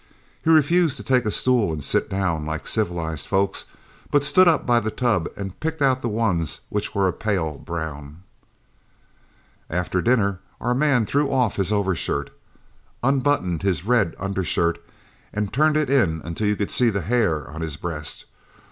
He refused to take a stool and sit down like civilized folks, but stood up by the tub and picked out the ones which were a pale brown. "After dinner our man threw off his overshirt, unbuttoned his red undershirt and turned it in until you could see the hair on his breast.